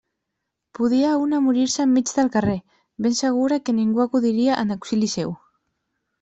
Podia una morir-se enmig del carrer, ben segura que ningú acudiria en auxili seu.